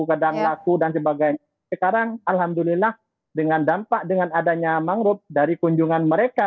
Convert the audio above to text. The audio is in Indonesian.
kadang laku dan sebagainya sekarang alhamdulillah dengan dampak dengan adanya mangrove dari kunjungan mereka